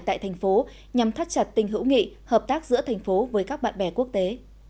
tại thành phố nhằm thắt chặt tình hữu nghị hợp tác giữa thành phố với các bạn bè quốc tế